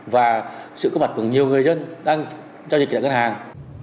và sự có mặt của nhiều người dân đang giao dịch ngân hàng